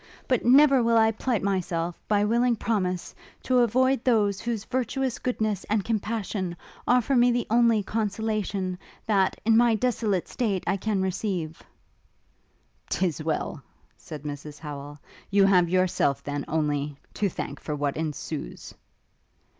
But never will I plight myself, by willing promise, to avoid those whose virtuous goodness and compassion offer me the only consolation, that, in my desolate state, I can receive!' ''Tis well!' said Mrs Howel, 'You have yourself, then, only, to thank for what ensues.'